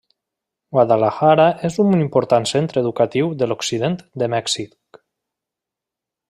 Guadalajara és un important centre educatiu de l'occident de Mèxic.